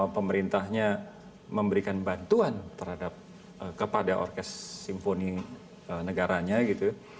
pemerintahnya memberikan bantuan terhadap kepada orkes simfoni negaranya gitu